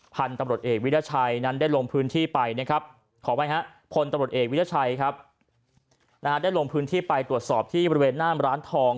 พันธุ์ตำรวจเอกวิราชัยนั้นได้ลงพื้นที่ไปนะครับขออภัยฮะพลตำรวจเอกวิรัชัยครับนะฮะได้ลงพื้นที่ไปตรวจสอบที่บริเวณหน้ามร้านทอง